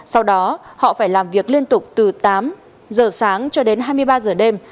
sau đó họ phải làm việc liên tục từ tám giờ sáng cho đến hai mươi ba giờ đêm